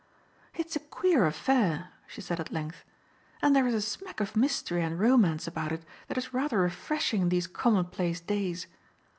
"It's a queer affair," she said at length, "and there is a smack of mystery and romance about it that is rather refreshing in these commonplace days.